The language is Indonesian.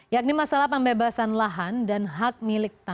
yakni masalah pembebasan lahan dan hak milik tanah